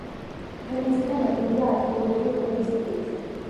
მთელი ციხე ნაგებია ადგილობრივი კლდის ქვით.